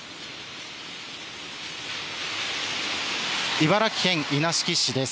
茨城県稲敷市です。